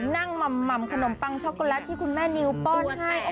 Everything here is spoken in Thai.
หม่ำขนมปังช็อกโกแลตที่คุณแม่นิวป้อนให้